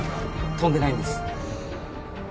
飛んでないんです。